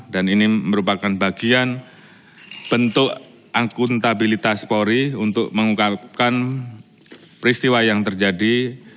dan ini merupakan bagian bentuk akuntabilitas polri untuk mengungkapkan peristiwa yang terjadi